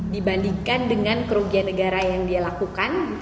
dibandingkan dengan kerugian negara yang dia lakukan